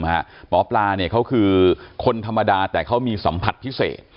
หมอปลาเนี่ยเขาคือคนธรรมดาแต่เขามีสัมผัสพิเศษ